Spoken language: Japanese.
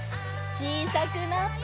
ちいさくなって。